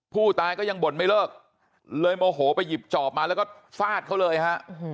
ผู้ตายก็ยังบ่นไม่เลิกเลยโมโหไปหยิบจอบมาแล้วก็ฟาดเขาเลยฮะ